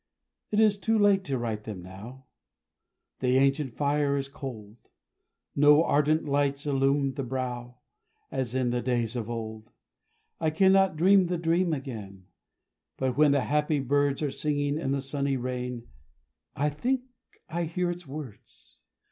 It is too late to write them now The ancient fire is cold; No ardent lights illume the brow, As in the days of old. I cannot dream the dream again; But when the happy birds Are singing in the sunny rain, I think I hear its words.